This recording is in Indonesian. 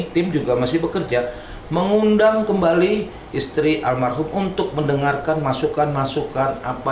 tim juga masih bekerja mengundang kembali istri almarhum untuk mendengarkan masukan masukan apa